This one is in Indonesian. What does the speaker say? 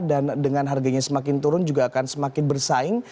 dan dengan harganya semakin turun juga akan semakin bersaing